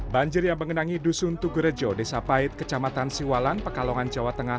banjir yang mengenangi dusun tugerejo desa pahit kecamatan siwalan pekalongan jawa tengah